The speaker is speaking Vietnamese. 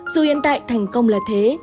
dù hiện tại thành công là thế